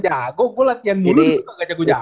jago gue latihan mulut gak jago jago